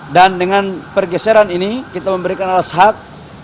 dan dengan pergeseran ini kita memberikan alas hak